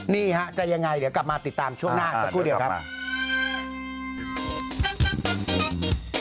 นี่ฮะจะยังไงเดี๋ยวกลับมาติดตามช่วงหน้าสักครู่เดียวครับ